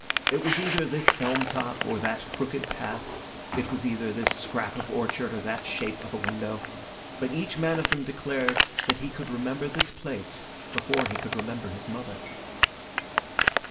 It was either this elm top or that crooked path, it was either this scrap of orchard or that shape of a window; but each man of them declared that he could remember this place before he could remember his mother.